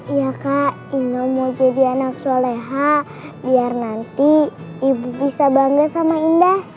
iya kak inno mau jadi anak soleha biar nanti ibu bisa bangga sama indah